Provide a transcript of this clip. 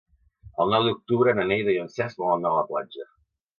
El nou d'octubre na Neida i en Cesc volen anar a la platja.